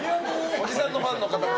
おじさんのファンの方が。